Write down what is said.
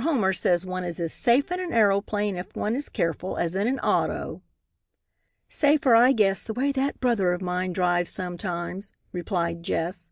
Homer says one is as safe in an aeroplane, if one is careful, as in an auto." "Safer I guess, the way that brother of mine drives sometimes," replied Jess.